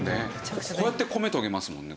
こうやって米とげますもんね。